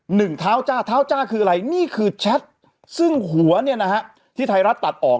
หนึ่งเท้าจ้าเท้าจ้าคืออะไรนี่คือแชทซึ่งหัวเนี่ยนะฮะที่ไทยรัฐตัดออก